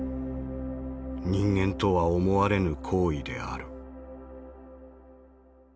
人間とは思われぬ行為である」。